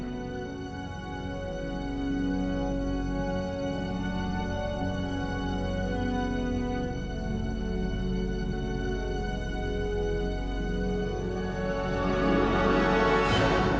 sampai jumpa lagi